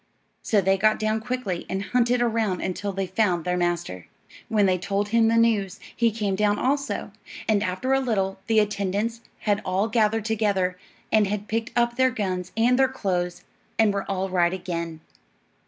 So they got down quickly and hunted around until they found their master. When they told him the news, he came down also; and after a little the attendants had all gathered together and had picked up their guns and their clothes, and were all right again.